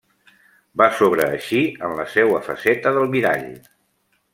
Va sobreeixir en la seua faceta d'almirall.